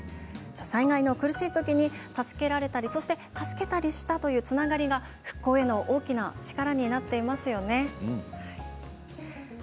災害の苦しい時に助けたり助けられたりしたつながりが復興への大きな力になっていますよね。